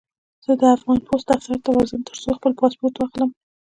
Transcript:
زه د افغان پوسټ دفتر ته ورځم، ترڅو خپل پاسپورټ واخلم.